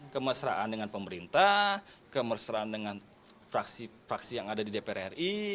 kemesraan dengan pemerintah kemesraan dengan fraksi fraksi yang ada di dpr ri